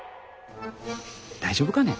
大丈夫かね。